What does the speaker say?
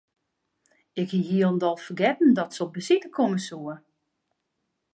Ik hie hielendal fergetten dat se op besite komme soe.